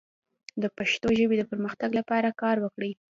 د پښتو ژبې د پرمختګ لپاره کار وکړئ.